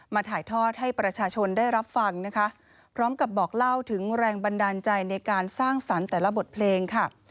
ถ่ายทอดให้ประชาชนได้รับฟังนะคะพร้อมกับบอกเล่าถึงแรงบันดาลใจในการสร้างสรรค์แต่ละบทเพลงค่ะ